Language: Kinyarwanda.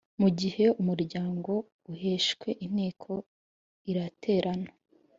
mu gihe umuryango usheshwe inteko iraterana